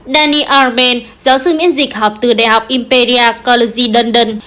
danny r mann giáo sư biến dịch học từ đại học imperial college london